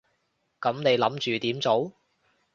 噉你諗住點做？